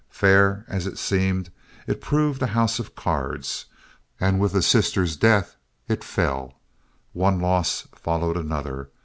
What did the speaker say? Fair as it seemed, it proved a house of cards, and with the sister's death it fell. One loss followed another.